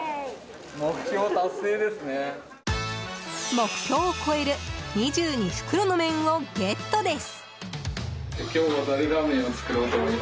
目標を超える２２袋の麺をゲットです！